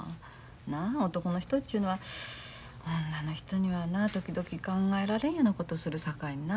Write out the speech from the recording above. なあ男の人ちゅうのは女の人にはな時々考えられんようなことするさかいな。